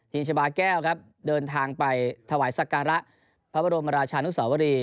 ีชาบาแก้วครับเดินทางไปถวายสักการะพระบรมราชานุสาวรี